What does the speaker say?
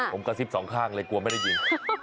ผมกระซิบสองข้างเลยกลัวไม่ได้ยิน